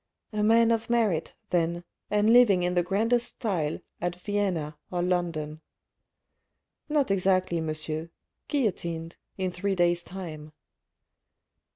A man of merit, then, and living in the grandest style at Vienna or London. " Not exactly, monsieur. Guillotined in three days' time."